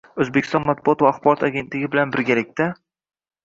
O`zbekiston matbuot va axborot agentligi bilan birgalikda